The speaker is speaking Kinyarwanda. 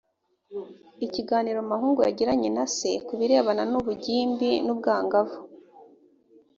ikiganiro mahungu yagiranye na se ku birebana n ubugimbi n ubwangavu